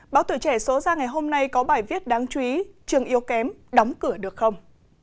báo tuổi trẻ số ra ngày hôm nay có bài viết đáng chú ý trường yếu kém đóng cửa được không